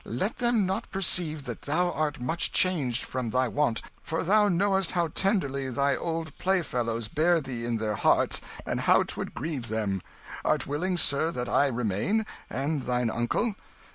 Let them not perceive that thou art much changed from thy wont, for thou knowest how tenderly thy old play fellows bear thee in their hearts and how 'twould grieve them. Art willing, sir, that I remain? and thine uncle?"